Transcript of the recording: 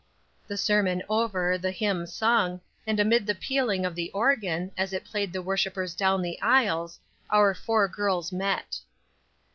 The sermon over, the hymn sung, and amid the pealing of the organ, as it played the worshipers down the aisles, our four girls met.